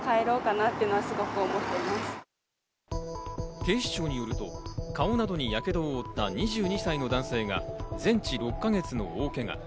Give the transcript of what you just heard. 警視庁によると顔などにやけどを負った２２歳の男性が全治６か月の大けが。